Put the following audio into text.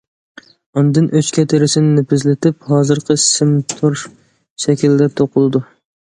ئاندىن ئۆچكە تېرىسىنى نېپىزلىتىپ ھازىرقى سىم تور شەكلىدە توقۇلىدۇ.